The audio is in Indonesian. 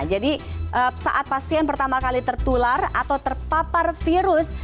jadi saat pasien pertama kali tertular atau terpapar virus